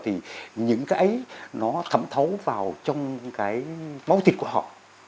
thì những cái ấy nó thấm thấu vào trong cái máu thịt của họ